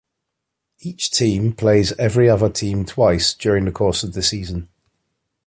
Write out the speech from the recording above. Each team plays every other team twice during the course of the season.